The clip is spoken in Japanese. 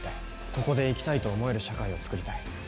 ここで生きたいと思える社会をつくりたい。